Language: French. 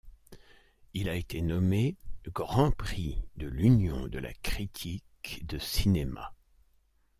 Il a été nommé Grand Prix de l’Union de la critique de cinéma.